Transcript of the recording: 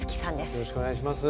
よろしくお願いします。